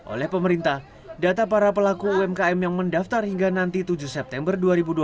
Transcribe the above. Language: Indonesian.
oleh pemerintah data para pelaku umkm yang mendaftar hingga nanti tujuh september dua ribu dua puluh satu